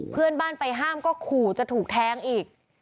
เพื่อนบ้านไปห้ามก็ขู่จะถูกแทงอีก